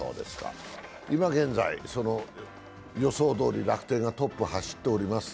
今現在、予想どおり楽天がトップを走っております。